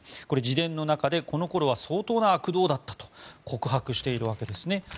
これ、自伝の中でこの頃は相当な悪童だったと告白しているわけです。